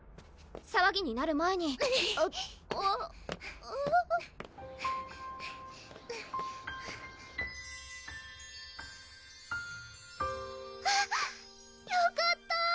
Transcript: さわぎになる前にあぁあっよかった！